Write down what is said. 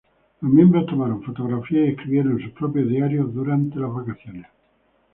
Los miembros tomaron fotografías y escribieron sus propios diarios durante las vacaciones.